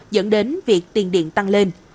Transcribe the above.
dẫn đến việc tiền điện tăng lên